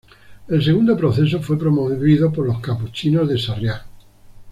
El segundo proceso fue promovido por los capuchinos de Sarriá.